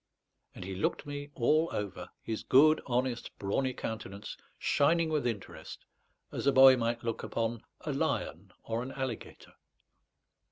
And he looked me all over, his good, honest, brawny countenance shining with interest, as a boy might look upon a lion or an alligator.